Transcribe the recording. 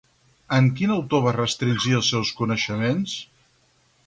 En quin autor va restringir els seus coneixements?